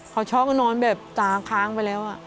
พ่อช้อก็นอนแบบตามค้างไปแล้วอะ